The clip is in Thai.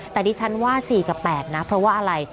แต่ดิฉันว่า๔กับ๘นะเพราะว่าอะไร